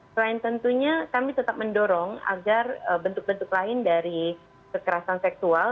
selain tentunya kami tetap mendorong agar bentuk bentuk lain dari kekerasan seksual